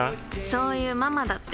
そういうママだって。